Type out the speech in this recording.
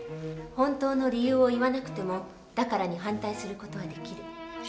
本当の理由を言わなくても「だから」に反対する事はできる。